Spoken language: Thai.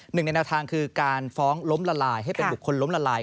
หนึ่งในแนวทางคือการฟ้องล้มละลายให้เป็นบุคคลล้มละลาย